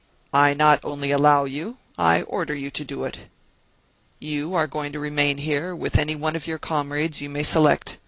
"I not only allow you, I order you to do it. You are going to remain here with any one of your comrades you may select.